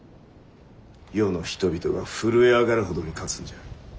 世の人々が震え上がるほどに勝つんじゃ。